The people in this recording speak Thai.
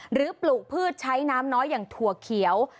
ปลูกพืชใช้น้ำน้อยอย่างถั่วเขียว